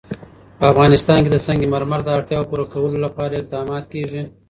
په افغانستان کې د سنگ مرمر د اړتیاوو پوره کولو لپاره اقدامات کېږي.